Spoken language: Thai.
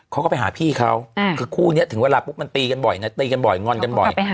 เขาก็ไปหาพี่เขาคือคู่นี้ถึงเวลาปุ๊บมันตีกันบ่อยนะตีกันบ่อยงอนกันบ่อย